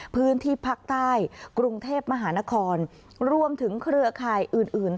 พื้นที่ภาคใต้กรุงเทพมหานครรวมถึงเครือข่ายอื่นอื่น